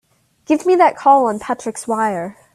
Give me that call on Patrick's wire!